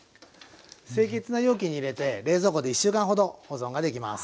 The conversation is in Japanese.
清潔な容器に入れて冷蔵庫で１週間ほど保存ができます。